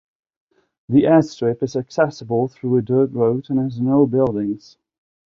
The airstrip is accessible through a dirt road and has no buildings.